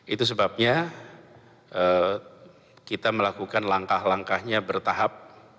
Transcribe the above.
itu sebabnya kita melakukan langkah langkahnya bertahap